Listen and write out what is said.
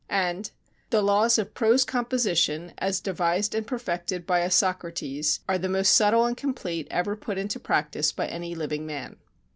And: "The laws of prose composition, as devised and perfected by Isocrates, are the most subtle and complete ever put into practice by any living man."